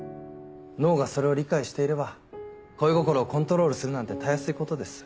脳がそれを理解していれば恋心をコントロールするなんてたやすいことです。